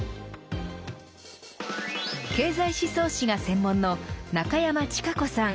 経済思想史が専門の中山智香子さん。